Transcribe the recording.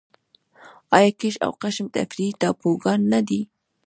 آیا کیش او قشم تفریحي ټاپوګان نه دي؟